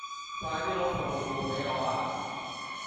快啲攞份報告畀我吖